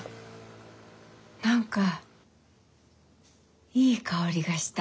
何かいい香りがした。